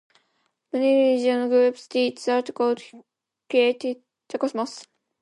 Many religious groups teach that God created the Cosmos.